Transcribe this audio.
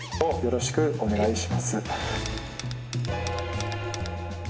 「よろしくお願いします」